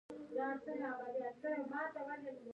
په مالي سکتور کې یې انحصاري فعالیتونه څارل.